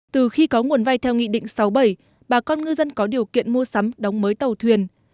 từ khi có nguồn vay theo nghị định sáu bảy bà con ngư dân có điều kiện mua sắm đóng mới tàu thuyền